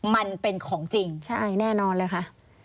มันเป็นของจริงใช่แน่นอนเลยค่ะ